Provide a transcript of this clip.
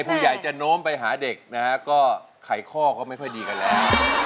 พูดใหญ่จะโน้มไปหาเด็กไข้คอก็ไม่พอดีกันแล้ว